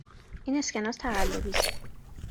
این اسکناس تقلبی است.